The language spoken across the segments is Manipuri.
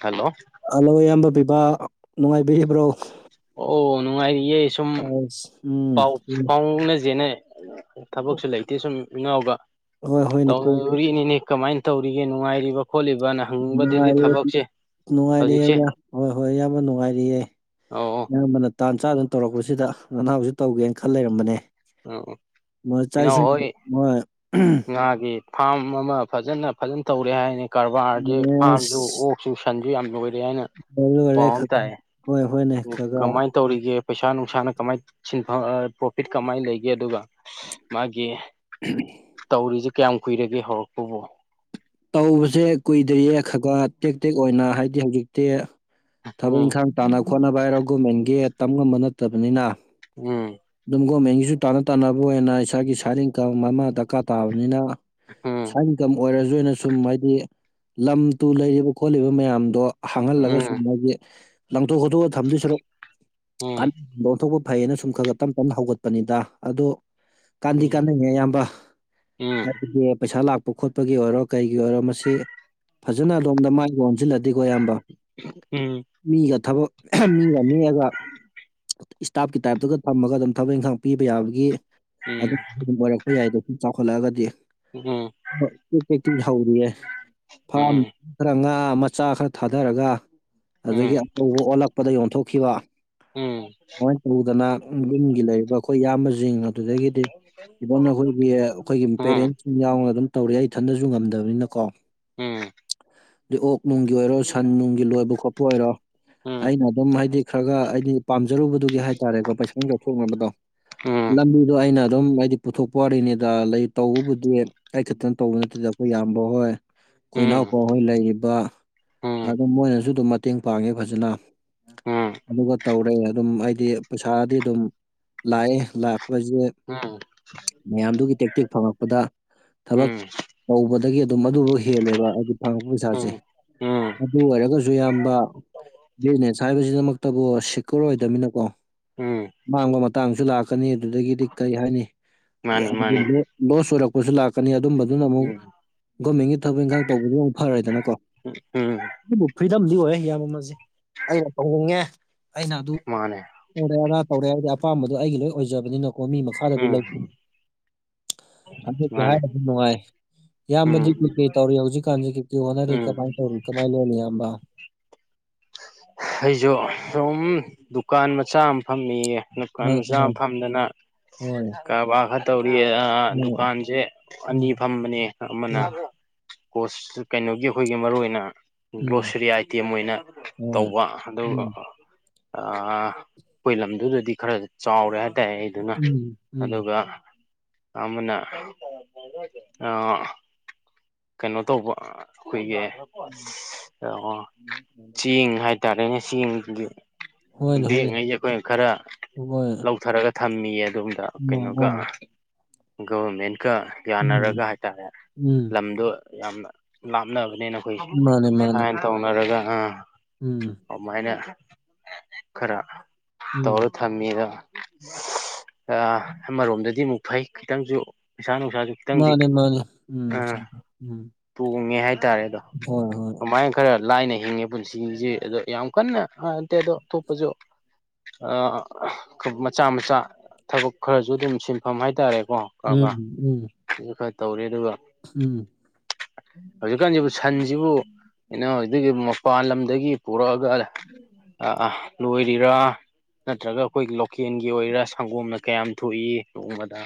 ꯍꯜꯂꯣ ꯑꯜꯂꯣ ꯑꯌꯥꯝꯕ ꯕꯤꯕꯥ ꯅꯨꯡꯉꯥꯏꯕꯤꯔꯤꯕ꯭ꯔꯣ ꯑꯣ ꯅꯨꯡꯉꯥꯏꯔꯤꯌꯦ ꯁꯨꯝ ꯑꯁ ꯎꯝ ꯄꯥꯎ ꯐꯥꯎꯅꯖꯦꯅꯦ ꯊꯕꯛꯁꯨ ꯂꯩꯇꯦ ꯁꯨꯝ ꯏꯅꯥꯎꯒ ꯍꯣꯏ ꯍꯣꯏꯅꯦ ꯀꯣꯜ ꯇꯧꯅꯔꯤꯅꯤꯅꯦ ꯀꯃꯥꯏꯅ ꯇꯧꯔꯤꯒꯦ ꯅꯨꯡꯉꯥꯏꯔꯤꯕ ꯈꯣꯠꯂꯤꯕꯅ ꯍꯪꯅꯤꯡꯕꯗꯒꯤ ꯅꯨꯡꯉꯥꯏꯔꯤ ꯊꯕꯛꯁꯦ ꯅꯨꯡꯉꯥꯏꯔꯤ ꯍꯧꯖꯤꯛꯁꯦ ꯍꯣꯏ ꯍꯣꯏ ꯏꯌꯥꯝꯕ ꯅꯨꯡꯉꯥꯏꯔꯤꯌꯦ ꯑꯣ ꯑꯣ ꯑꯌꯥꯝꯕꯅ ꯇꯥꯟ ꯆꯥꯗꯅ ꯇꯧꯔꯛꯄꯁꯤꯗ ꯅꯅꯥꯎꯖꯨ ꯇꯧꯒꯦꯅ ꯈꯜ ꯂꯩꯔꯝꯕꯅꯦ ꯑꯣ ꯃꯣꯏ ꯏꯅꯥꯎ ꯆꯥꯛꯁꯤꯡ ꯍꯣꯏ ꯃꯣꯏ ꯉꯥꯒꯤ ꯐꯥꯝ ꯑꯃ ꯐꯖꯅ ꯐꯖꯅ ꯇꯧꯔꯦ ꯍꯥꯏꯅꯤ ꯀꯔꯕꯥꯔꯁꯦ ꯐꯝꯁꯨ ꯑꯦꯁ ꯑꯣꯛꯁꯨ ꯁꯟꯁꯨ ꯌꯥꯝ ꯂꯣꯏꯔꯦ ꯍꯥꯏꯅ ꯂꯣꯏꯔꯦ ꯄꯥꯎ ꯑꯃ ꯇꯥꯏꯌꯦ ꯍꯣꯏ ꯍꯣꯏꯅꯦ ꯈꯒ ꯀꯃꯥꯏ ꯇꯧꯔꯤꯒꯦ ꯄꯩꯁꯥ ꯅꯨꯡꯁꯥꯅ ꯀꯃꯥꯏꯅ ꯁꯤꯟꯐꯝ ꯄ꯭ꯔꯣꯐꯤꯠ ꯀꯃꯥꯏꯅ ꯂꯩꯒꯦ ꯑꯗꯨꯒ ꯃꯥꯒꯤ [inaudible] ꯇꯧꯔꯤꯁꯦ ꯀꯌꯥꯝ ꯀꯨꯏꯔꯒꯦ ꯍꯧꯔꯛꯄꯕꯣ ꯇꯧꯕꯁꯦ ꯀꯨꯏꯗ꯭ꯔꯤꯌꯦ ꯈꯒ ꯇꯦꯛ ꯇꯦꯛ ꯑꯣꯏꯅ ꯍꯥꯏꯗꯤ ꯍꯧꯖꯤꯛꯇꯤ ꯊꯕꯛ ꯎꯝ ꯏꯪꯈꯥꯡ ꯇꯥꯟꯅ ꯈꯣꯠꯅꯕ ꯍꯥꯏꯔꯣ ꯒꯣꯃꯦꯟꯒꯤ ꯇꯝ ꯉꯝꯕ ꯅꯠꯇꯕꯅꯤꯅ ꯎꯝ ꯑꯗꯨꯝ ꯒꯣꯃꯦꯟꯒꯤꯁꯨ ꯇꯥꯟꯅ ꯇꯥꯟꯅꯕ ꯑꯣꯏꯅ ꯏꯁꯥꯒꯤ ꯁꯥꯏꯔꯦꯡ ꯀ ꯃꯃꯥ ꯗꯔꯀꯥꯔ ꯇꯥꯕꯅꯤꯅ ꯎꯝ ꯁ ꯏꯟꯀꯝ ꯑꯣꯏꯔꯁꯨ ꯑꯣꯏꯅ ꯁꯨꯝ ꯍꯥꯏꯗꯤ ꯂꯝ ꯇꯨ ꯂꯩꯔꯤꯕ ꯈꯣꯠꯂꯤꯕ ꯃꯌꯥꯝꯗꯣ ꯃꯥꯅꯤ ꯃꯥꯅꯤ ꯍꯥꯡꯍꯜꯂꯒꯁꯨ ꯃꯥꯒꯤ ꯂꯪꯊꯣꯛ ꯈꯣꯠꯇꯣꯛꯑ ꯊꯝꯗꯣꯏ ꯁꯔꯨꯛ ꯀ ꯑꯣꯣꯟꯊꯣꯛꯄ ꯐꯩꯌꯦꯅ ꯁꯨꯝ ꯈꯔ ꯈ ꯇꯞ ꯇꯞꯅ ꯍꯧꯒꯠꯄꯅꯤꯗ ꯑꯗꯣ ꯀꯥꯟꯗꯤ ꯀꯥꯟꯅꯉꯦ ꯑꯌꯥꯝꯕ ꯍꯥꯏꯕꯗꯤ ꯄꯩꯁꯥ ꯂꯥꯛꯄ ꯈꯣꯠꯄꯒꯤ ꯑꯣꯏꯔꯣ ꯀꯩꯒꯤ ꯑꯣꯏꯔꯣ ꯃꯁꯤ ꯐꯖꯅ ꯑꯗꯣꯝꯗ ꯃꯥꯏꯒ ꯑꯣꯟꯁꯤꯜꯂꯗꯤꯀꯣ ꯏꯌꯥꯝꯕ ꯎꯝ ꯃꯤꯒ ꯊꯕꯛ ꯃꯤꯒ ꯅꯦꯛꯑꯒ ꯏꯁꯇꯥꯞꯀꯤ ꯇꯥꯏꯞꯇꯒ ꯊꯝꯃꯒ ꯑꯗꯨꯝ ꯊꯕꯛ ꯏꯪꯈꯥꯡ ꯄꯤꯕ ꯌꯥꯕꯒꯤ ꯑꯗꯨꯝ ꯑꯣꯏꯔꯛꯄ ꯌꯥꯏꯗꯣ ꯁꯨꯝ ꯆꯥꯎꯈꯠꯂꯛꯑꯒꯗꯤ ꯎꯝ [unintelligible] ꯍꯦꯛꯇꯤ ꯍꯧꯔꯤꯑ ꯐꯥꯝ ꯈꯔ ꯉꯥ ꯃꯆꯥ ꯈꯔ ꯊꯥꯗꯔꯒ ꯑꯗꯨꯗꯒꯤ ꯑꯆꯧꯕ ꯑꯣꯜꯂꯛꯄꯗ ꯌꯣꯟꯊꯣꯛꯈꯤꯕ ꯎꯝ ꯁꯨꯃꯥꯏꯅ ꯇꯧꯗꯅ ꯌꯨꯝꯒꯤ ꯂꯩꯔꯤꯕ ꯑꯩꯈꯣꯏ ꯏꯌꯥꯝꯕꯁꯤꯡ ꯑꯗꯨꯗꯒꯤꯗꯤ ꯏꯚꯟ ꯑꯩꯈꯣꯏꯒꯤ ꯑꯩꯈꯣꯏꯒꯤ ꯄꯦꯔꯦꯟꯁꯁꯤꯡ ꯌꯥꯎꯅ ꯑꯗꯨꯝ ꯇꯧꯔ ꯑꯩ ꯊꯟꯗꯁꯨ ꯉꯝꯗꯕꯅꯤꯅ ꯀꯣ ꯎꯝ ꯑ ꯑꯣꯛ ꯅꯨꯡꯒꯤ ꯑꯣꯏꯔꯣ ꯁꯟ ꯅꯨꯡꯒꯤ ꯂꯣꯏꯕ ꯈꯣꯠꯄ ꯑꯣꯏꯔꯣ ꯑꯩꯅ ꯑꯗꯨꯝ ꯍꯥꯏꯗꯤ ꯈꯔ ꯈ ꯑꯩꯗꯤ ꯄꯥꯝꯖꯔꯨꯕꯗꯨꯒꯤ ꯍꯥꯏꯇꯥꯔꯦꯀꯣ ꯄꯩꯁꯥ ꯆꯥꯎꯊꯣꯛꯅꯕꯗꯣ ꯂꯝꯕꯤꯗꯣ ꯑꯩꯅ ꯑꯗꯨꯝ ꯍꯥꯏꯗꯤ ꯄꯨꯊꯣꯛꯄ ꯋꯥꯔꯤꯅꯤꯗ ꯂꯩ ꯇꯧꯕꯕꯨꯗꯤ ꯑꯩ ꯈꯛꯇꯅ ꯇꯧꯕ ꯅꯠꯇꯦꯗ ꯑꯩꯈꯣꯏ ꯌꯥꯝꯕ ꯍꯣꯏ ꯑꯩꯅꯥꯎꯄꯥꯍꯣꯏ ꯂꯩꯔꯤꯕ ꯑꯗꯨꯝ ꯃꯣꯏꯅꯁꯨ ꯑꯗꯨꯝ ꯃꯇꯦꯡ ꯄꯥꯡꯉꯦ ꯐꯖꯅ ꯑꯗꯨꯒ ꯇꯧꯔꯦ ꯑꯗꯨꯝ ꯑꯩꯗꯤ ꯄꯩꯁꯥꯗꯤ ꯑꯗꯨꯝ ꯂꯥꯛꯑꯦ ꯂꯥꯛꯄꯁꯦ ꯃꯌꯥꯝꯗꯨꯒꯤ ꯇꯦꯛꯇꯦꯛ ꯐꯪꯉꯛꯄꯗ ꯊꯕꯛ ꯇꯧꯕꯗꯒꯤ ꯑꯗꯨꯝ ꯑꯗꯨꯐ ꯍꯦꯜꯂꯦꯕ ꯍꯥꯏꯗꯤ ꯐꯪꯉꯛꯄ ꯄꯩꯁꯥꯁꯦ ꯑꯗꯨ ꯑꯣꯏꯔꯒꯁꯨ ꯌꯥꯝꯌꯥꯝꯕ ꯕꯤꯖꯤꯅꯦꯁ ꯍꯥꯏꯕꯁꯤꯗꯃꯛꯇꯕꯨ ꯁꯦꯀ꯭ꯌꯣꯔ ꯑꯣꯏꯗꯃꯤꯅꯀꯣ ꯃꯥꯡꯕ ꯃꯇꯥꯡꯁꯨ ꯂꯥꯛꯀꯅꯤ ꯑꯗꯨꯗꯒꯤꯗꯤ ꯀꯔꯤ ꯍꯥꯏꯅꯤ ꯂꯣꯁ ꯑꯣꯏꯔꯛꯄꯁꯨ ꯂꯥꯛꯀꯅꯤ ꯑꯗꯨꯝꯕ ꯑꯗꯨꯅ ꯑꯃꯨꯛ ꯎꯝ ꯒꯣꯔꯃꯦꯟꯒꯤ ꯊꯕꯛ ꯏꯟꯈꯥꯡ ꯇꯧꯕꯗꯨ ꯑꯃꯨꯛ ꯐꯔꯦꯗꯅꯀꯣ ꯎ ꯎꯝ ꯑꯗꯨꯕꯨ ꯐ꯭ꯔꯤꯗꯝꯗꯤ ꯑꯣꯏ ꯌꯥꯝꯃ ꯑꯩꯅ ꯇꯧꯅꯤꯡꯉꯦ ꯑꯩꯅ ꯑꯗꯨ [unintelligible] ꯃꯥꯅꯦ ꯑꯣꯔꯦ ꯑꯅꯥ ꯇꯧꯔꯦ ꯍꯥꯏꯕꯗꯤ ꯑꯄꯥꯝꯕꯗꯣ ꯑꯩꯒꯤ ꯂꯣꯏ ꯑꯣꯏꯖꯕꯅꯤꯅꯀꯣ ꯃꯤ ꯃꯈꯥꯗꯗꯤ ꯎꯝ ꯂꯩ ꯑꯗꯨ ꯀ ꯃꯥꯅꯦ ꯍꯥꯏꯔ ꯑꯗꯨ ꯅꯨꯡꯉꯥꯏ ꯎꯝ ꯏꯌꯥꯝꯕꯗꯤ ꯀꯩꯀꯩ ꯇꯧꯔꯤ ꯍꯧꯖꯤꯛꯀꯥꯟꯁꯦ ꯀꯩꯀ ꯀꯩ ꯍꯣꯅꯔꯤ ꯎꯝ ꯀꯃꯥꯏꯅ ꯇꯧꯔꯤ ꯀꯃꯥꯏꯅ ꯂꯣꯅꯤ ꯏꯕ ꯑꯩꯁꯨ ꯁꯨꯝ ꯗꯨꯀꯥꯟ ꯃꯆꯥ ꯑꯃ ꯐꯝꯅꯤꯌꯦ ꯑ ꯂꯗꯨꯀꯥꯟ ꯃꯆꯥ ꯑ ꯑꯃ ꯐꯝꯗꯅ ꯍꯣꯏ ꯀꯔꯕꯥꯔ ꯈꯔ ꯇꯧꯔꯤ ꯑꯣ ꯗꯨꯀꯥꯟꯁꯦ ꯑꯅꯤ ꯎꯝ ꯐꯝꯕꯅꯦ ꯑꯃꯅ ꯎꯝ ꯀꯣꯁ ꯀꯩꯅꯣꯒꯤ ꯑꯩꯈꯣꯏꯒꯤ ꯃꯔꯨ ꯑꯣꯏꯅ ꯎꯝ ꯒ꯭ꯔꯣꯁꯔꯤ ꯑꯥꯏꯇꯦꯝ ꯑꯣꯏꯅ ꯍꯣꯏ ꯇꯧꯕ ꯑꯗꯨꯒ ꯎꯝ ꯑꯩꯈꯣꯏ ꯂꯝꯗꯨꯗꯗꯤ ꯈꯔ ꯆꯥꯎꯔꯦ ꯍꯥꯏꯇꯥꯔꯦ ꯑꯩ ꯑꯗꯨꯅ ꯎꯝ ꯎꯝ ꯑꯗꯨꯒ ꯑꯃꯅꯥ ꯑꯥ ꯀꯩꯅꯣ ꯇꯧꯕ ꯑꯩꯈꯣꯏꯒꯤ ꯑꯁ ꯆꯦꯡ ꯍꯥꯏꯇꯥꯔꯦꯅꯦ ꯆꯦꯡꯒꯤ ꯍꯣꯏꯅꯦ ꯍꯣꯏ [unintelligible] ꯑꯈꫭꯏꯅꯥ ꯈꯥꯔꯥ ꯍꯣꯏ ꯑ ꯂꯧꯊꯔꯒ ꯊꯝꯃꯤꯌꯦ ꯑꯣꯝꯗ ꯀꯩꯅꯣꯒ ꯑ ꯒꫭꯚꯔꯃꯦꯟꯀ ꯌꯥꯅꯔꯒ ꯎꯝ ꯍꯥꯏꯇꯥꯔꯦ ꯎꯝ ꯂꯝꯗꯣ ꯌꯥꯝꯅ ꯂꯥꯞꯅꯕꯅꯤꯅ ꯑꯩꯈꯣꯏꯁꯦ ꯃꯥꯅꯦ ꯃꯥꯅꯦ ꯁꯨꯃꯥꯏꯅ ꯇꯧꯅꯔꯒ ꯑꯥ ꯎꯝ ꯑꯗꯨꯃꯥꯏꯅ ꯈꯔ ꯎꯝ ꯇꯧꯔ ꯊꯝꯃꯤꯗ ꯑꯃꯔꯣꯝꯗꯗꯤ ꯑꯃꯨꯛ ꯐꯩ ꯈꯤꯇꯪꯁꯨ ꯄꯩꯁꯥ ꯅꯨꯡꯁꯥꯁꯨ ꯈꯤꯇꯪꯗꯤ ꯃꯥꯅꯦ ꯃꯥꯅꯦ ꯎꯝ ꯑꯥ ꯎꯝ ꯇꯣꯡꯉꯦ ꯍꯥꯏꯇꯥꯔꯦ ꯑꯗꯣ ꯍꯣꯏ ꯍꯣꯏ ꯀꯃꯥꯏꯅ ꯈꯔ ꯂꯥꯏꯅ ꯍꯤꯡꯉꯦ ꯄꯨꯟꯁꯤꯒꯤꯁꯦ ꯑꯗꯣ ꯌꯥꯝ ꯀꯟꯅꯟꯇꯦ ꯑꯗꯣ ꯊꯣꯛꯣꯄꯁꯨ ꯃꯆꯥ ꯃꯆꯥ ꯊꯕꯛ ꯈꯔꯁꯨ ꯑꯗꯨꯝ ꯁꯤꯟꯐꯝ ꯍꯥꯏꯇꯥꯔꯦꯀꯣ ꯎꯝ ꯎꯝ ꯁꯤꯁꯨ ꯈꯔ ꯇꯧꯔꯤꯦ ꯑꯗꯨꯒ ꯎꯝ ꯍꯧꯖꯤꯛꯀꯥꯟꯁꯤꯕꯨ ꯁꯟꯁꯤꯕꯨ ꯀꯩꯅꯣ ꯍꯧꯖꯤꯗꯒꯤ ꯃꯄꯥꯟ ꯂꯝꯗꯒꯤ ꯄꯨꯔꯛꯑꯒ ꯑꯥ ꯑꯥ ꯂꯣꯏꯔꯤꯔꯥ ꯅꯠꯇ꯭ꯔꯒ ꯑꯩꯈꯣꯏꯒꯤ ꯂꯣꯀꯦꯜꯒꯤ ꯑꯣꯏꯔ ꯁꯪꯒꯣꯝꯅ ꯀꯌꯥꯝ ꯊꯣꯛꯏ ꯅꯣꯡꯃꯗ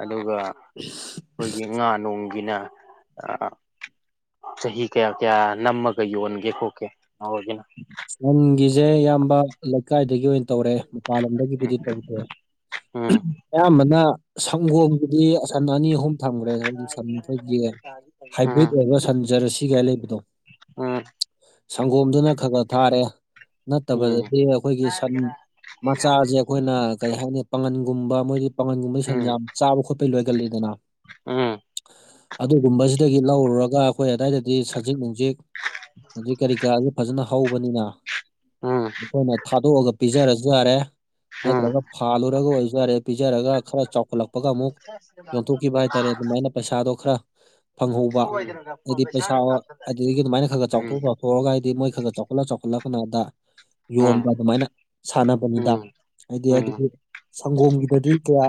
ꯑꯗꯨꯒ [unintelligible] ꯑꯩꯈꯣꯏꯒꯤ ꯉꯥ ꯅꯣꯡꯒꯤꯅ ꯆꯍꯤ ꯀꯌꯥ ꯀꯌꯥ ꯅꯝꯃꯒ ꯌꯣꯟꯒꯦ ꯈꯣꯀꯦ ꯉꯒꯤꯅ ꯁꯟꯒꯤꯁꯦ ꯏꯌꯥꯝꯕ ꯂꯩꯀꯥꯏꯗꯒꯤ ꯑꯣꯏꯅ ꯇꯧꯔꯦ ꯃꯄꯥꯟꯂꯣꯝꯗꯒꯤꯕꯨꯗꯤ ꯇꯧꯗ꯭ꯔꯦ ꯎꯝ ꯑꯌꯥꯝꯕꯅ ꯁꯪꯒꯣꯝꯒꯤꯗꯤ ꯁꯟ ꯑꯅꯤ ꯑꯍꯨꯝ ꯊꯝꯈ꯭ꯔꯦ ꯍꯧꯖꯤꯛ ꯎꯝ ꯁꯟ ꯑꯩꯈꯣꯏꯒꯤ ꯍꯥꯏꯕ꯭ꯔꯤꯠ ꯑꯣꯏꯕ ꯁꯟ ꯖꯔꯁꯤꯒꯥꯏ ꯂꯩꯕꯗꯣ ꯁꯪꯒꯣꯝꯗꯨꯅ ꯈꯔ ꯈꯔ ꯊꯥꯔꯦ ꯎꯝ ꯅꯠꯇꯕꯗꯗꯤ ꯑꯩꯈꯣꯏꯒꯤ ꯁꯟ ꯃꯆꯥꯁꯦ ꯑꯩꯈꯣꯏꯅ ꯀꯩ ꯍꯥꯏꯅꯤ ꯄꯥꯉꯟꯒꯨꯝꯕ ꯃꯣꯏꯗꯤ ꯄꯥꯉꯟꯒꯨꯝꯕꯩ ꯁꯟꯖꯥꯝ ꯆꯥꯕ ꯈꯣꯠꯄꯩ ꯂꯣꯏꯒꯜꯂꯤꯗꯅ ꯎꯝ ꯎꯝ ꯎꯝ ꯑꯗꯨꯒꯨꯝꯕꯁꯤꯗꯒꯤ ꯂꯧꯔꯨꯔꯒ ꯑꯩꯈꯣꯏ ꯑꯗꯨꯋꯥꯏꯗꯗꯤ ꯁꯖꯤꯤꯡ ꯅꯨꯡ ꯍꯧꯖꯤꯛ ꯍꯧꯖꯤꯛ ꯀꯔꯤ ꯀꯥꯥꯁꯦ ꯐꯖꯅ ꯍꯧꯕꯅꯤꯅ ꯎꯝ ꯑꯩꯈꯣꯏꯅ ꯊꯥꯗꯣꯛꯑꯒ ꯄꯤꯖꯔꯁꯨ ꯌꯥꯔꯦ ꯎꯝ ꯅꯠꯇ꯭ꯔꯒ ꯐꯥꯜꯂꯨꯔꯒ ꯑꯣꯏꯁꯨ ꯌꯥꯔꯦ ꯄꯤꯖꯔꯒ ꯈꯔ ꯆꯥꯎꯈꯠꯂꯛꯄꯒ ꯑꯃꯨꯛ ꯌꯣꯟꯊꯣꯛꯈꯤꯕ ꯍꯥꯏꯇꯥꯔꯦ ꯑꯗꯨꯃꯥꯏꯅ ꯄꯩꯁꯥꯗꯣ ꯈꯔ ꯐꯪꯍꯧꯕ ꯁꯣꯏꯗꯅ ꯐꯣꯟ ꯍꯥꯏꯗꯤ ꯄꯩꯁꯥ ꯄꯩꯁꯥꯒ ꯀꯥꯞꯁꯤꯜꯂꯛꯑꯗꯤ ꯑꯗꯨꯗꯒꯤ ꯑꯗꯨꯃꯥꯏꯅ ꯈꯔ ꯈꯔ ꯎꯝ ꯆꯥꯎꯊꯣꯛꯄ ꯊꯣꯛꯑꯒ ꯍꯥꯏꯗꯤ ꯃꯣꯏ ꯈꯔ ꯈ ꯆꯥꯎ ꯆꯥꯎꯈꯠꯂꯛ ꯆꯥꯎꯈꯠꯂꯛ ꯀꯅꯗ ꯎꯝ ꯌꯣꯟꯕ ꯑꯗꯨꯃꯥꯏꯅ ꯁꯥꯟꯅꯕꯅꯤꯗ ꯎꯝ ꯍꯥꯏꯗꯤ ꯎꯝ ꯑꯗꯨꯕꯨ ꯁꯪꯒꯣꯝꯒꯤꯗꯗꯤ ꯀꯌꯥ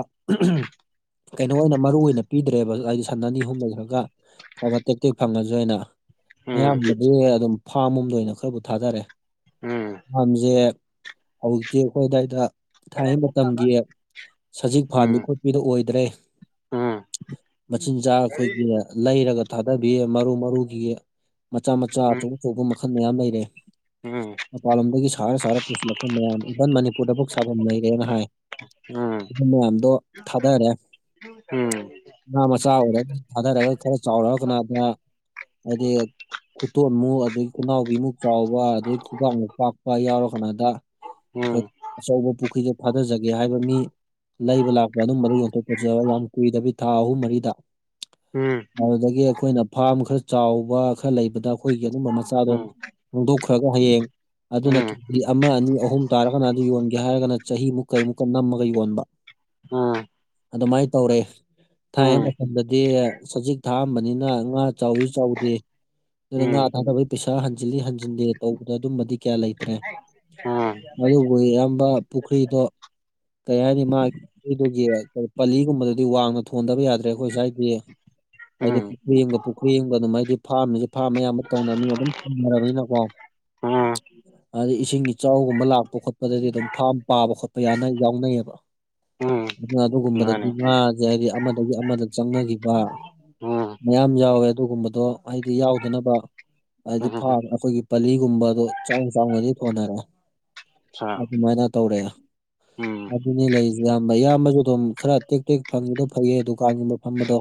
ꯀꯩꯅꯣ ꯑꯣꯏꯅ ꯃꯔꯨ ꯑꯣꯏꯅ ꯄꯤꯗ꯭ꯔꯦꯕ ꯍꯥꯏꯗꯤ ꯁꯟ ꯑꯅꯤ ꯑꯍꯨꯝꯗꯣꯏ ꯈꯔꯒ ꯈꯔ ꯇꯦꯛ ꯇꯦꯛ ꯐꯪꯉꯁꯨ ꯑꯅ ꯑꯌꯥꯝꯕꯗꯤ ꯑꯗꯨꯝ ꯐꯥꯝ ꯑꯝꯗ ꯑꯣꯏꯅ ꯈꯔꯕꯨ ꯊꯥꯗꯔꯦ ꯎꯝ ꯎꯝ ꯃꯝꯁꯦ ꯍꯧꯖꯤꯛꯇꯤ ꯑꯩꯈꯣꯏ ꯑꯗꯨꯋꯥꯏꯗ ꯊꯥꯏꯅꯩ ꯃꯇꯝꯒꯤ ꯁꯖꯤꯛ ꯐꯥꯟꯕꯤ ꯎꯝ ꯎꯝ ꯈꯣꯠꯄꯤꯗꯣ ꯑꯣꯏꯗ꯭ꯔꯦ ꯎꯝ ꯎꯝ ꯎꯝ ꯎꯝ ꯎꯝ ꯎꯝ ꯎꯝ ꯎꯝ ꯃꯆꯤꯟꯖꯥꯛ ꯑꯩꯈꯣꯏꯒꯤ ꯂꯩꯔꯒ ꯊꯥꯗꯕꯤꯌꯦ ꯃꯔꯨ ꯃꯔꯨꯒꯤ ꯃꯆꯥ ꯃꯆꯥ ꯑꯆꯧ ꯎꯝ ꯑꯆꯧꯕ ꯃꯈꯜ ꯃꯌꯥꯝ ꯂꯩꯔꯦ ꯃꯄꯥꯟꯂꯣꯝꯗꯒꯤ ꯁꯥꯔ ꯁꯥꯔ ꯄꯨꯁꯤꯜꯂꯛꯄ ꯃꯌꯥꯝ ꯏꯚꯟ ꯃꯅꯤꯄꯨꯔꯗ ꯄꯨꯛ ꯁꯥꯐꯝ ꯂꯩꯩꯔꯦꯅ ꯍꯥꯏ ꯎꯝ ꯑꯗꯨ ꯃꯌꯥꯝꯗꯣ ꯊꯥꯗꯈꯔꯦ ꯎꯝ ꯉ ꯃꯆꯥ ꯑꯣꯏꯔꯒ ꯊꯥꯗꯔꯒ ꯈꯔ ꯆꯥꯎꯔꯛꯑ ꯀꯅ ꯑꯗꯨꯅ ꯑꯗꯩ ꯈꯨꯇꯣꯟꯃꯨꯛ ꯑꯗꯒꯤ ꯈꯨꯅꯥꯎꯕꯤꯃꯨꯛ ꯆꯥꯎꯕ ꯑꯗꯩ ꯈꯨꯕꯥꯛꯃꯨꯛ ꯄꯥꯛꯄ ꯌꯥꯎꯔ ꯀꯥꯟꯗ ꯑꯆꯧꯕ ꯄꯨꯈ꯭ꯔꯤꯗꯣ ꯐꯥꯊꯖꯒꯦ ꯍꯥꯏꯕ ꯃꯤ ꯂꯩꯕ ꯂꯥꯛꯄ ꯑꯗꯨꯝꯕꯗ ꯌꯣꯟꯊꯣꯛꯄꯖꯨ ꯌꯥꯝ ꯀꯨꯏꯗꯕꯤ ꯊꯥ ꯑꯍꯨꯝ ꯃꯔꯤꯗ ꯎꯝ ꯑꯗꯨꯗꯒꯤ ꯑꯩꯈꯣꯏꯅ ꯐꯥꯔꯝ ꯈꯔ ꯆꯥꯎꯕ ꯈꯔ ꯂꯩꯕꯗ ꯑꯩꯈꯣꯏꯒꯤ ꯑꯗꯨꯒꯨꯝꯝꯕ ꯃꯆꯥꯗꯣ ꯍꯣꯡꯗꯣꯛꯈ꯭ꯔꯒ ꯍꯌꯦꯡ ꯑꯗꯨꯅ ꯎꯝ ꯎꯝ ꯎꯝ ꯍꯥꯏꯗꯤ ꯑꯃ ꯑꯅꯤ ꯑꯍꯨꯝ ꯇꯥꯔꯒꯅ ꯑꯗꯨ ꯌꯣꯟꯒꯦ ꯍꯥꯏꯔꯒꯅ ꯆꯍꯤꯃꯨꯛꯀꯩꯃꯨꯛꯀ ꯅꯝꯃꯒ ꯌꯣꯟꯕ ꯑꯗꯨꯃꯥꯏꯅ ꯇꯧꯔꯦ ꯊꯥꯏꯩ ꯃꯇꯝꯗꯗꯤ ꯁꯖꯤꯛ ꯊꯥꯑꯝꯕꯅꯤꯅ ꯉꯥ ꯆꯥꯎꯋꯤ ꯆꯥꯎꯗꯦ ꯑꯗꯨꯅ ꯉꯥ ꯊꯥꯗꯕꯒꯤ ꯄꯩꯁꯥ ꯍꯟꯖꯤꯜꯂꯤ ꯍꯟꯖꯤꯟꯗꯦ ꯇꯧꯕꯗ ꯑꯗꯨꯝꯕꯗꯤ ꯀꯌꯥ ꯂꯩꯇ꯭ꯔꯦ ꯑꯗꯨꯕꯨ ꯏꯌꯥꯝꯕ ꯄꯨꯈ꯭ꯔꯤꯗꯣ ꯀꯩ ꯍꯥꯏꯅꯤ ꯃꯥ ꯑꯗꯨꯗꯨꯒꯤ ꯄꯂꯤꯒꯨꯝꯕꯗꯗꯤ ꯋꯥꯡꯅ ꯊꯣꯟꯗꯕ ꯌꯥꯗ꯭ꯔꯦ ꯑꯩꯈꯣꯏ ꯁ꯭ꯋꯥꯏꯒꯤ ꯍꯥꯏꯗꯤ ꯄꯨꯈ꯭ꯔꯤ ꯌꯦꯒ ꯄꯨꯈ꯭ꯔꯤ ꯌꯦ ꯑꯃꯒ ꯑꯗꯨꯝ ꯍꯥꯏꯗꯤ ꯐꯥꯔꯝꯁꯨ ꯐꯥꯔꯝ ꯑꯌꯥꯝꯕ ꯇꯧꯅꯅꯤ ꯑꯗꯨꯝ ꯔꯕꯤꯅꯀꯣ ꯑ ꯑꯗꯤ ꯏꯁꯤꯡ ꯏꯆꯥꯎꯒꯨꯝꯕ ꯂꯥꯛꯄ ꯈꯣꯠꯄꯗꯗꯤ ꯑꯗꯨꯝ ꯐꯥꯝ ꯄꯥꯕ ꯈꯣꯠꯄ ꯌꯥꯅ ꯌꯥꯎꯅꯩꯌꯦꯕ ꯑꯗꯨꯅ ꯑꯗꯨꯒꯨꯝꯕꯗꯗꯤ ꯃꯥꯅꯦ ꯉꯥꯁꯦ ꯍꯥꯏꯗꯤ ꯑꯃꯗꯒꯤ ꯑꯃꯗ ꯆꯪꯅꯈꯤꯕ ꯎꯝ ꯃꯌꯥꯝ ꯌꯥꯎꯋꯦ ꯑꯗꯨꯒꯨꯝꯕꯗꯣ ꯍꯥꯏꯗꯤ ꯌꯥꯎꯗꯅꯕ ꯎꯝ ꯍꯥꯏꯗꯤ ꯐꯥ ꯑꯩꯈꯣꯏꯒꯤ ꯄꯥꯂꯤꯒꯨꯝꯕꯗꯣ ꯆꯥꯎ ꯆꯥꯎꯅꯗꯤ ꯊꯣꯟꯅꯔꯦ ꯑ ꯑꯗꯨ ꯃꯥꯏꯅ ꯇꯧꯔꯦ ꯎꯝ ꯎꯝ ꯑꯗꯨꯅꯤ ꯂꯩꯁꯦ ꯏꯌꯥꯝꯕ ꯏꯌꯥꯝꯕꯁꯨ ꯑꯗꯨꯝ ꯈꯔ ꯇꯦꯛ ꯇꯦꯛ ꯐꯪꯉꯦꯗꯣ ꯐꯩꯌꯦ ꯗꯨꯀꯥꯟꯒꯨꯝꯕ ꯐꯝꯕꯗꯣ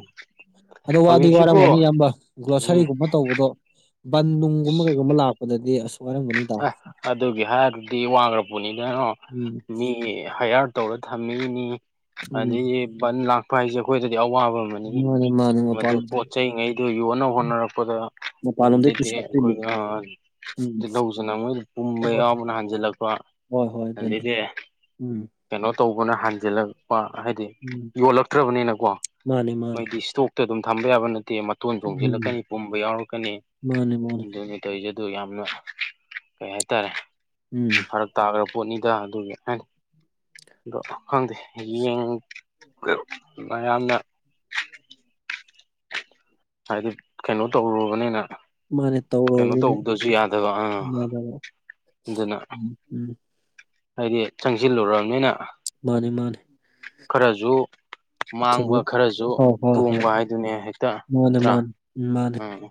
ꯑꯗꯣ ꯋꯥꯗꯤ ꯍꯧꯖꯤꯛꯁꯤꯕꯨ ꯋꯥꯔꯝꯒꯅꯤ ꯏꯌꯥꯝꯕ ꯎꯝ ꯒ꯭ꯔꯣꯁꯔꯤꯒꯨꯝꯕ ꯇꯧꯕꯗꯣ ꯕꯟ ꯅꯨꯡꯒꯨꯝꯕ ꯀꯩꯒꯨꯝꯕ ꯂꯥꯛꯄꯗꯗꯤ ꯑꯁꯨꯛ ꯋꯥꯔꯝꯒꯅꯤꯗ ꯑꯦ ꯑꯗꯨꯒꯤ ꯍꯥꯏꯔꯗꯤ ꯋꯥꯈ꯭ꯔꯕꯅꯤꯗꯩꯅꯣ ꯎꯝ ꯃꯤ ꯍꯥꯏꯌꯥꯔ ꯇꯧꯔ ꯊꯝꯃꯛꯏꯅꯤ ꯎꯝ ꯑꯗꯒꯤ ꯕꯟ ꯂꯥꯛꯄ ꯍꯥꯏꯁꯦ ꯑꯩꯈꯣꯏꯗꯗꯤ ꯑꯋꯥꯕ ꯑꯃꯅꯤ ꯃꯥꯅꯦ ꯃꯥꯅꯦ ꯃꯗꯨ ꯃꯄꯥꯟ ꯄꯣꯠ ꯆꯩꯉꯩꯗꯨ ꯌꯣꯟꯅ ꯍꯣꯠꯅꯔꯛꯄꯗ ꯃꯄꯥꯟꯂꯣꯝꯗꯩ ꯑꯗꯨꯗꯤ ꯄꯨꯁꯤꯜꯂꯛꯇꯣꯏꯅꯤ ꯑꯩꯈꯣꯏ ꯎꯝ ꯇꯤꯜꯍꯧꯁꯤꯅ ꯃꯣꯏꯗ ꯄꯨꯝꯕ ꯑꯣ ꯌꯥꯎꯕꯅ ꯍꯟꯖꯤꯜꯂꯛꯄ ꯍꯣꯏ ꯍꯣꯏ ꯑꯗꯨꯅꯤ ꯑꯗꯒꯤ ꯎꯝ ꯀꯩꯅꯣ ꯇꯧꯕꯅ ꯍꯟꯖꯤꯜꯂꯛꯄ ꯍꯥꯏꯗꯤ ꯎꯝ ꯌꯣꯜꯂꯛꯇ꯭ꯔꯕꯅꯤꯅꯀꯣ ꯃꯥꯅꯤ ꯃꯥꯅꯤ ꯃꯣꯏꯗꯤ ꯏꯁꯇꯣꯛꯇ ꯑꯗꯨꯝ ꯊꯝꯕ ꯌꯥꯕ ꯅꯠꯇꯦ ꯇꯣꯟ ꯎꯝ ꯆꯣꯡꯁꯤꯜꯂꯛꯀꯅꯤ ꯄꯨꯝꯕ ꯌꯥꯎꯔꯛꯀꯅꯤ ꯃꯥꯅꯤ ꯃꯥꯅꯤ ꯑꯗꯨꯅꯦ ꯇꯧꯔꯤꯁꯦ ꯑꯗꯨ ꯌꯥꯝꯅ ꯀꯩ ꯍꯥꯏꯇꯥꯔꯦ ꯎꯝ ꯐꯔꯛ ꯇꯥꯈ꯭ꯔ ꯄꯣꯠꯅꯤꯗ ꯑꯗꯨꯒꯤ ꯍꯥꯏ ꯑꯗꯣ ꯈꯪꯗꯦ ꯌꯦꯡ ꯃꯌꯥꯝꯅ ꯍꯥꯏꯗꯤ ꯀꯩꯅꯣ ꯇꯧꯔꯨꯔꯕꯅꯤꯅ ꯃꯥꯅꯦ ꯀꯩꯅꯣ ꯇꯧꯔꯅꯤꯅ ꯇꯧꯕꯗꯁꯨ ꯌꯥꯗꯕ ꯑꯥ ꯎꯝ ꯑꯗꯨꯅ ꯎꯝ ꯍꯥꯏꯗꯤ ꯆꯪꯁꯤꯜꯂꯨꯔꯕꯅꯤꯅ ꯃꯥꯅꯦ ꯃꯥꯅꯦ ꯈꯔꯁꯨ ꯊꯦꯡꯅ ꯃꯥꯡꯕ ꯈꯔꯁꯨ ꯍꯣꯏ ꯍꯣꯏ ꯍꯣꯏ ꯇꯣꯡꯕ ꯍꯥꯏꯗꯨꯅꯦ ꯍꯦꯛꯇ ꯃꯥꯅꯦ ꯅꯠꯇ꯭ꯔꯥ ꯎꯝ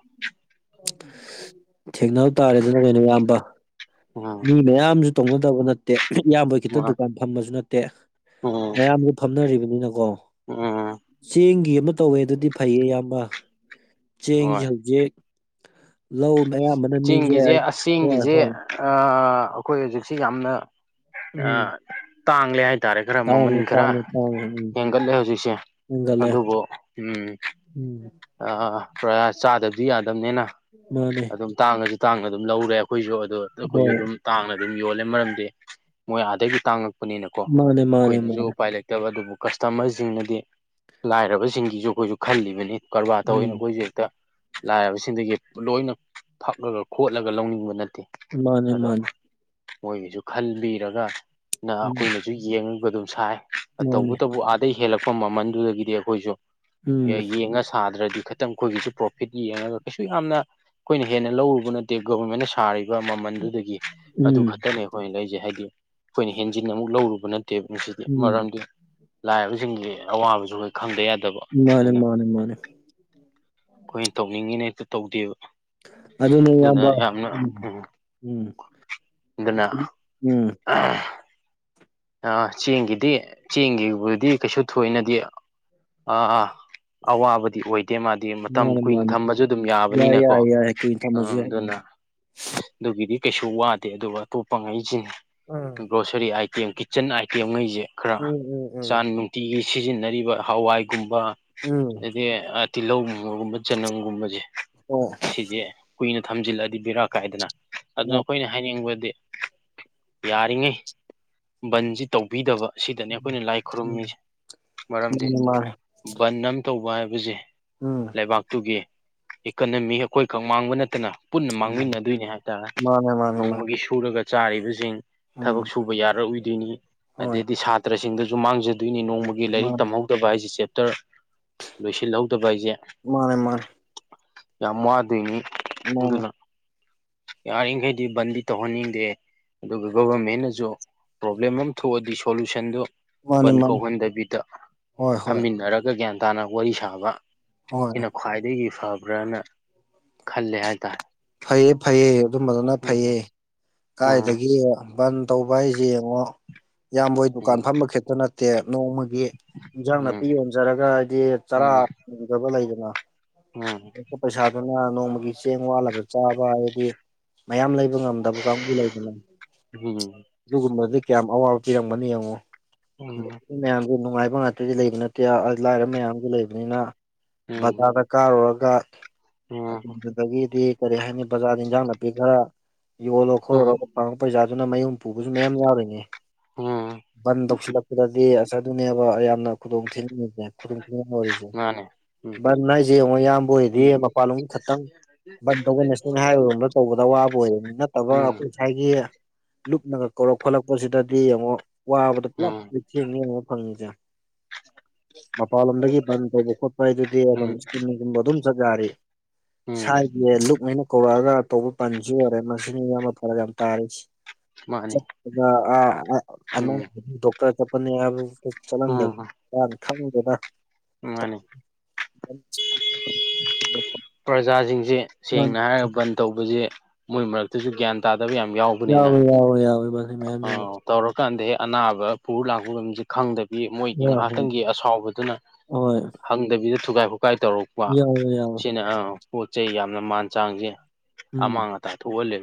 ꯊꯦꯡꯅꯕꯅꯕ ꯇꯥꯔꯦꯗꯅ ꯀꯩꯅꯣ ꯏꯌꯥꯝꯕ ꯎꯝ ꯃꯤ ꯃꯌꯥꯝ ꯃꯌꯥꯝꯁꯨ ꯇꯧꯅꯗꯕ ꯅꯠꯇꯦ ꯏꯌꯥꯝꯕ ꯈꯤꯇ ꯗꯨꯀꯥꯟ ꯐꯝꯕꯁꯨ ꯅꯠꯇꯦ ꯎꯝ ꯃꯌꯥꯝꯁꯨ ꯐꯝꯅꯔꯤꯕꯅꯤꯅꯀꯣ ꯎꯝ ꯆꯦꯡꯒꯤ ꯑꯃ ꯇꯧꯋꯦ ꯑꯗꯨꯗꯤ ꯐꯩꯌꯦ ꯏꯌꯥꯝꯕ ꯆꯦꯡꯁꯦ ꯍꯣꯏ ꯍꯧꯖꯤꯛ ꯂꯧ ꯑꯌꯥꯝꯕꯅ ꯃꯤꯁꯦ ꯆꯦꯡꯒꯤꯁꯦ ꯑꯁ ꯍꯣꯏ ꯆꯦꯡꯒꯤꯁꯦ ꯍꯣꯏ ꯑꯩꯈꯣꯏ ꯍꯧꯖꯤꯛꯁꯤ ꯌꯥꯝꯅ ꯎꯝ ꯇꯥꯡꯂꯦ ꯍꯥꯏ ꯍꯥꯏꯇꯥꯥꯔꯦ ꯈꯔ ꯃꯃꯟ ꯇꯥꯡꯉꯦ ꯈꯔ ꯇꯥꯡꯉꯦ ꯇꯥꯡꯉꯦ ꯎꯝ ꯍꯦꯟꯒꯠꯂꯦ ꯍꯧꯖꯤꯛꯁꯦ ꯍꯦꯟꯒꯠꯂꯦ ꯑꯗꯨꯕꯨ ꯎꯝ ꯎꯝ ꯄꯨꯔꯥ ꯆꯥꯗꯕꯗꯤ ꯌꯥꯗꯕꯅꯤꯅ ꯃꯥꯅꯦ ꯑꯗꯨꯝ ꯇꯥꯡꯉꯁꯨ ꯇꯥꯡꯉ ꯑꯗꯨꯝ ꯂꯧꯔꯦ ꯑꯩꯈꯣꯏꯁꯨ ꯑꯗꯨꯗꯣ ꯑꯩꯈꯣꯏꯁꯨ ꯍꯣꯏ ꯑꯗꯨꯝ ꯇꯥꯡꯅ ꯑꯗꯨꯝ ꯌꯣꯜꯂꯦ ꯃꯔꯝꯗꯤ ꯃꯣꯏ ꯑꯥꯗꯒꯤ ꯇꯥꯡꯉꯛꯄꯅꯤꯅꯀꯣ ꯃꯥꯅꯦ ꯃꯥꯅꯦ ꯑꯩꯈꯣꯏꯅꯁꯨ ꯃꯥꯅꯦ ꯎꯄꯥꯏ ꯂꯩ ꯠꯇꯕ ꯑꯗꯨꯕꯨ ꯀꯁꯇꯃꯔꯁꯤꯡꯅꯗꯤ ꯂꯥꯏꯔꯕꯁꯤꯡꯒꯤꯁꯨ ꯑꯩꯈꯣꯏꯁꯨ ꯈꯜꯂꯤꯕꯅꯤ ꯀꯔꯕꯥꯔ ꯇꯧꯋꯏꯅ ꯎꯝ ꯑꯩꯈꯣꯏꯁꯨ ꯍꯦꯛꯇ ꯂꯥꯏꯔꯕꯁꯤꯡꯗꯒꯤ ꯂꯣꯏꯅ ꯊꯛꯑꯒ ꯈꯣꯠꯂꯒ ꯂꯧꯅꯤꯡꯕ ꯅꯠꯇꯦ ꯃꯥꯅꯦ ꯑꯗꯣ ꯃꯥꯅꯦ ꯃꯣꯏꯒꯤꯁꯨ ꯈꯟꯕꯤꯔꯒ ꯅ ꯎꯝ ꯑꯩꯈꯣꯏꯅꯁꯨ ꯌꯦꯡꯉꯒ ꯑꯗꯨꯝ ꯁꯥꯏ ꯃꯥꯅꯦ ꯇꯧꯕꯇꯕꯨ ꯑꯥꯗꯒꯤꯩ ꯍꯦꯜꯂꯛꯄ ꯃꯃꯜꯗꯨꯗꯒꯤꯗꯤ ꯑꯩꯈꯣꯏꯁꯨ ꯎꯝ ꯌꯦꯡꯉ ꯁꯥꯗ꯭ꯔꯗꯤ ꯈꯤꯇꯪ ꯑꯩꯈꯣꯏꯒꯤꯁꯨ ꯄ꯭ꯔꯣꯐꯤꯠ ꯌꯦꯡꯉꯒ ꯀꯩꯁꯨ ꯌꯥꯝꯅ ꯑꯩꯈꯣꯏꯅ ꯍꯦꯟꯅ ꯂꯧꯔꯨꯕ ꯅꯠꯇꯦ ꯒꯣꯕꯔꯃꯦꯟꯅ ꯁꯥꯔꯤꯕ ꯃꯃꯜꯗꯨꯗꯒꯤ ꯑꯗꯨ ꯎꯝ ꯈꯛꯇꯅꯦ ꯑꯩꯈꯣꯏꯅ ꯂꯩꯖꯩ ꯍꯥꯏꯗꯤ ꯑꯩꯈꯣꯏꯅ ꯍꯦꯟꯖꯤꯟ ꯑꯃꯨꯛ ꯂꯧꯔꯨꯕ ꯅ ꯇꯦꯕꯁꯤꯗꯤ ꯎꯝ ꯃꯔꯝꯗꯤ ꯂꯥꯏꯔꯕꯁꯤꯡꯒꯤ ꯑꯋꯥꯕꯁꯨ ꯑꯩꯈꯣꯏ ꯈꯪꯗ ꯌꯥꯗꯕ ꯃꯥꯅꯦ ꯑꯗꯨꯅ ꯃꯥꯅꯦ ꯃꯥꯅꯦ ꯑꯩꯈꯣꯏꯅ ꯇꯧꯅꯤꯡꯉꯤꯅ ꯍꯦꯛꯇ ꯇꯧꯗꯦꯕ ꯑꯗꯨ ꯑꯗꯨꯅ ꯌꯥꯝꯅ ꯎ ꯑꯗꯨꯅ ꯎꯝ ꯑꯥ ꯆꯦꯡꯒꯤꯗꯤ ꯆꯦꯡꯒꯤꯕꯨꯗꯤ ꯀꯩꯁꯨ ꯊꯣꯏꯅꯗꯤ ꯑꯥ ꯑꯥ ꯑꯋꯥꯕꯗꯤ ꯑꯣꯏꯗꯦ ꯃꯥꯗꯤ ꯃꯇꯝ ꯃꯥꯅꯦ ꯀꯨꯏꯅ ꯃꯥꯅꯦ ꯊꯝꯕꯁꯨ ꯑꯗꯨꯝ ꯌꯥꯏ ꯌꯥꯕꯅꯤꯅꯀꯣ ꯌꯥꯏ ꯌꯥꯏ ꯀꯨꯏꯅ ꯑ ꯊꯝꯃꯁꯨ ꯌꯥꯏ ꯑꯗꯨꯅ ꯑꯗꯨꯒꯤꯗꯤ ꯀꯩꯁꯨ ꯋꯥꯗꯦ ꯑꯗꯨꯒ ꯑꯇꯣꯞꯄ ꯉꯩꯁꯤꯅ ꯎꯝ ꯒ꯭ꯔꯣꯁꯔꯤ ꯑꯥꯏꯇꯦꯝ ꯏꯆꯟ ꯑꯥꯏꯇꯦꯝꯈꯩꯁꯦ ꯈꯔ ꯎꯝ ꯎꯝ ꯎꯝ ꯎꯝ ꯆꯥꯟ ꯅꯨꯡꯇꯤꯒꯤ ꯁꯤꯖꯤꯟꯅꯔꯤꯕ ꯍꯋꯥꯏꯒꯨꯝꯕ ꯎꯝ ꯑꯗꯗꯤ ꯇꯤꯜꯍꯧꯒꯨꯝꯕꯒꯨꯝꯕ ꯆꯅꯝꯒꯨꯝꯕꯁꯦ ꯍꯣꯏ ꯁꯤꯁꯦ ꯀꯨꯏꯅ ꯊꯝꯖꯤꯜꯂꯗꯤ ꯕꯤꯔꯥ ꯀꯥꯏꯗꯅ ꯑꯗꯨꯅ ꯍꯣꯏ. ꯑꯩꯈꯣꯏꯅ ꯍꯥꯏꯅꯤꯡꯕꯗꯤ ꯌꯥꯔꯤꯉꯩ ꯕꯟꯁꯤ ꯇꯧꯕꯤꯗꯕ ꯁꯤꯗꯅꯤ ꯑꯩꯈꯣꯏꯅ ꯂꯥꯏ ꯎꯝ ꯈꯨꯔꯨꯝꯃꯤꯁꯦ ꯃꯔꯝꯗꯤ ꯃꯥꯅꯦ ꯃꯥꯅꯦ ꯕꯟ ꯑꯃ ꯇꯧꯕ ꯍꯥꯏꯕꯁꯦ ꯎꯝ ꯂꯩꯕꯥꯛꯇꯨꯒꯤ ꯏꯀꯅꯃꯤ ꯑꯩꯈꯣꯏꯈꯛ ꯃꯥꯡꯕ ꯅꯠꯇꯅ ꯄꯨꯟꯅ ꯎꯝ. ꯃꯥꯡꯃꯤꯟꯅꯗꯣꯏꯅꯤ ꯍꯥꯏꯇꯥꯔꯦ ꯃꯥꯅꯦ ꯃꯥꯅꯦ ꯃꯥꯅꯦ ꯅꯣꯡꯃꯒꯤ ꯁꯨꯔꯒ ꯆꯥꯔꯤꯕꯁꯤꯡ ꯊꯕꯛ ꯎꯝ ꯁꯨꯕ ꯌꯥꯔꯑꯣꯏꯗꯣꯏꯅꯤ ꯍꯣꯏ. ꯑꯗꯩꯗꯤ ꯁꯥ ꯇ꯭ꯔꯁꯤꯡꯗꯁꯨ ꯃꯥꯡꯖꯗꯣꯏꯅꯤ ꯅꯣꯡꯃꯒꯤ ꯂꯥꯏꯔꯤꯛ ꯃꯥꯅꯦ ꯇꯝꯍꯧ ꯇꯕ ꯍꯥꯏꯁꯦ ꯆꯦꯞꯇꯔ ꯂꯣꯏꯁꯤꯜꯍꯧꯗꯕ ꯍꯥꯏꯁꯦ ꯃꯥꯅꯦ ꯃꯥꯅꯦ ꯌꯥꯝ ꯋꯥꯗꯨꯢꯅꯤ ꯃꯥꯅꯦ ꯑꯗꯨꯅ ꯌꯥꯔꯤꯈꯩꯗꯤ ꯕꯟꯗꯤ ꯇꯧꯍꯟꯅꯤꯡꯗꯦ ꯑꯗꯨꯒ ꯒꯣꯕꯔꯃꯦꯟꯅꯁꯨ ꯄ꯭ꯔꯣꯕ꯭ꯂꯦꯝ ꯑꯃ ꯊꯣꯛꯑꯗꯤ ꯁꯣꯂꯨꯁꯟꯗꯨ ꯃꯥꯅꯦ ꯕꯟ ꯃꯥꯅꯦ. ꯀꯧꯍꯟꯗꯕꯤꯗ ꯍꯣꯏ ꯍꯣꯏ ꯐꯝꯃꯤꯟꯅ ꯎꯅꯔꯒ ꯒ꯭ꯌꯥꯟ ꯇꯥꯅ ꯋꯥꯔꯤ ꯁꯥꯕ ꯍꯣꯏ ꯁꯤꯅ ꯈ꯭ꯋꯥꯏꯗꯒꯤ ꯐꯕ꯭ꯔꯅ ꯈꯜꯂꯦ ꯍꯥꯏꯇꯥꯥꯏ ꯐꯩꯌꯦ ꯐꯩꯌꯦ ꯑꯗꯨꯝꯕꯗꯨꯅ ꯐꯩꯌꯦ ꯎꯝ ꯀꯥꯏꯗꯒꯤ ꯕꯟ ꯇꯧꯕ ꯍꯥꯏꯁꯦ ꯌꯦꯡꯉꯣ ꯏꯌꯥꯝꯕꯣꯏ ꯗꯨꯀꯥꯟ ꯐꯝꯕ ꯈꯦꯛꯇ ꯅꯠꯇꯦ ꯅꯣꯡꯃꯒꯤ ꯗꯤ ꯏꯟꯖꯥꯡ ꯅꯥꯄꯤ ꯎꯝ ꯌꯣꯟꯖꯔꯒ ꯍꯥꯏꯗꯤ ꯎꯝ ꯆꯔꯥꯗꯕ ꯂꯩꯗꯅ ꯎꯝ ꯑꯄ ꯄꯩꯁꯥꯗꯨꯅ ꯅꯣꯡꯃꯒꯤ ꯆꯦꯡ ꯋꯥꯠꯂꯕ ꯆꯥꯕ ꯍꯥꯏꯗꯤ ꯃꯌꯥꯝ ꯂꯩꯕ ꯉꯝꯗꯕ ꯀꯥꯡꯕꯨ ꯂꯩꯗꯅ ꯍꯝ ꯑꯗꯨꯒꯨꯝꯕꯗꯤ ꯀꯌꯥꯝ ꯑꯋꯥꯕ ꯄꯤꯔꯝꯒꯅꯤ ꯌꯦꯡꯉꯣ ꯎꯝ ꯃꯌꯥꯝꯁꯨ ꯅꯨꯡꯉꯥꯏꯕ ꯉꯥꯛꯇꯗꯤ ꯂꯩꯕ ꯅꯠꯇꯦ ꯂꯥꯏꯔꯕ ꯃꯌꯥꯝꯁꯨ ꯂꯩꯕꯅꯤꯅ ꯎꯝ ꯕꯖꯥꯔꯗ ꯀꯥꯔꯨꯔꯒ ꯎꯝ ꯎꯝ ꯑꯗꯨꯗꯨꯗꯒꯤꯗꯤ ꯀꯔꯤ ꯍꯥꯏꯅꯤ ꯕꯖꯥꯔꯗ ꯏꯟꯖꯥꯡ ꯅꯥꯄꯤ ꯈꯔ ꯌꯣꯜꯂꯣ ꯈꯣꯠꯂꯣ ꯎꯝ ꯄꯥꯡꯕ ꯄꯩꯁꯥꯗꯨꯅ ꯃꯌꯨꯝ ꯄꯨꯕꯁꯨ ꯃꯌꯥꯝ ꯌꯥꯎꯔꯤꯅꯤ ꯎꯝ ꯕꯟ ꯇꯧꯁꯤꯜꯂꯛꯄꯗꯗꯤ ꯑꯁ ꯑꯗꯨꯅꯦ ꯑ ꯌꯥꯝꯅ ꯈꯨꯗꯣꯡ ꯊꯤꯅꯤꯡꯉꯁꯦ ꯈꯨꯗꯣꯡ ꯊꯤꯅꯤꯡꯔꯤꯁꯦ ꯃꯥꯅꯦ ꯎꯝ ꯚꯟ ꯍꯥꯏꯁꯦ ꯌꯦꯡꯉꯣ ꯏꯌꯥꯝꯕ ꯑꯣꯏꯗꯤ ꯎꯝ ꯃꯄꯥꯟꯂꯣꯝ ꯈꯛꯇꯪ ꯕꯟ ꯇ ꯅꯦꯁꯅꯦꯜ ꯍꯥꯏꯋꯦꯒꯨꯝꯗ ꯇꯧꯕꯗ ꯑꯋꯥꯕ ꯑꯣꯏꯕꯅꯤ ꯅꯠꯇꯕ ꯑꯩꯈꯣꯏ ꯉꯁꯥꯏꯒꯤ ꯂꯨꯞꯅꯒ ꯀꯧꯔꯛ ꯈꯣꯠꯂꯛꯄꯁꯤꯗꯗꯤ ꯌꯦꯡꯉꯣ ꯋꯥꯕꯗ ꯃꯂ ꯎꯝ ꯄ ꯐꯪꯉꯤꯖꯦ ꯃꯄꯥꯟ ꯂꯣꯝꯗꯒꯤ ꯕꯟ ꯇꯧꯕ ꯈꯣꯠꯄ ꯍꯥꯏꯗꯨꯗꯤ ꯎꯝ ꯑꯗꯨꯝ ꯎꯝ ꯏꯁꯀꯨꯟꯒꯨꯝꯕ ꯑꯗꯨꯝ ꯆꯠ ꯌꯥꯔꯤ ꯎꯝ ꯂꯨꯞ ꯃꯦꯅ ꯍꯧꯔꯛꯑꯒ ꯑꯇꯧꯕ ꯕꯟꯁꯨ ꯑꯣꯏꯔꯦ ꯃꯁꯤꯅꯤ ꯌꯥꯝꯕ ꯐꯔꯛ ꯌꯥꯝ ꯇꯥꯔꯤꯁꯤ ꯆ ꯃꯥꯅꯤ ꯆꯠꯄꯗ ꯑ ꯑꯅꯣꯛ ꯎꯝ ꯗꯣꯛꯇꯔ ꯆꯠꯄꯅꯦ ꯍꯥꯢꯕ ꯆꯠꯂꯝꯗꯕꯅꯦ ꯎꯝ ꯌꯥꯝ ꯈꯪꯗꯦꯅ ꯃꯥꯅꯤ ꯄ꯭ꯔꯖꯥꯁꯤꯡꯁꯤ ꯁꯦꯡꯅ ꯍꯥꯏꯔꯒ ꯕꯟ ꯇꯧꯕꯁꯦ ꯃꯣꯏ ꯃꯔꯛꯇꯁꯨ ꯒ꯭ꯌꯥꯟ ꯇꯥꯗꯕ ꯌꯥꯝ ꯌꯥꯎꯕꯅꯤꯅ ꯌꯥꯎꯏ ꯌꯥꯎꯏ ꯑ ꯇꯧꯔꯀꯥꯟꯗꯦꯛ ꯑꯅꯥꯕ ꯄꯨꯔ ꯂꯥꯛꯄꯒ ꯈꯪꯗꯕꯤ ꯃꯣꯏꯒꯤ ꯍꯣꯏ ꯍꯣꯏ ꯉꯥꯏꯍꯥꯛꯇꯪꯒꯤ ꯑꯁꯥꯎꯕꯗꯨꯅ ꯍꯣꯏ ꯈꯪꯗꯕꯤꯗ ꯊꯨꯒꯥꯏ ꯍꯨꯒꯥꯏ ꯇꯧꯔꯛ ꯌꯥꯎꯋꯦ ꯌꯥꯎꯋꯦ ꯁꯤꯅ ꯄꯣꯠ ꯆꯩ ꯌꯥꯝꯅ ꯃꯥꯟ ꯆꯥꯡꯁꯦ ꯎꯝ ꯑꯃꯥꯡ ꯑꯇꯥ ꯊꯣꯛꯍꯜꯂꯦꯕ